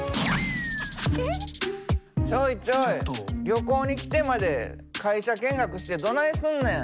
旅行に来てまで会社見学してどないすんねん。